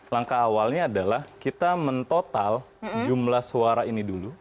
langkah awalnya adalah kita mentotal jumlah suara ini dulu